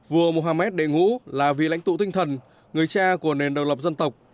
vua mohammed đệ ngũ là vị lãnh tụ tinh thần người cha của nền độc lập dân tộc